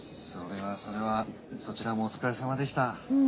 それはそれはそちらもお疲れさまでした。